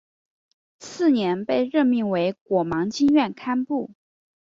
次年被任命为果芒经院堪布。